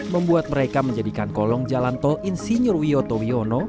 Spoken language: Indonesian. membuat mereka menjadikan kolong jalan tol insinyur wiyoto wiono